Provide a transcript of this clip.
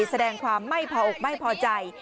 แสดงความไม่พออกไม่พอใจ